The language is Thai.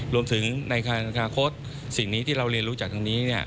รวมถึงในการลบสมัยสิ่งนี้ที่เราเรียนรู้จากตรงนี้เนี่ย